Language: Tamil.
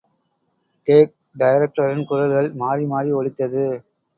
டேக்!... டைரக்டரின் குரல்கள் மாறி மாறி ஒலித்தது.